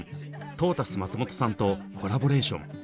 トータス松本さんとコラボレーション。